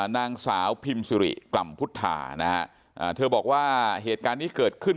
นางสาวพิมซิริกล่ำพุทธานะฮะเธอบอกว่าเหตุการณ์นี้เกิดขึ้น